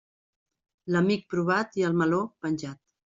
L'amic provat i el meló penjat.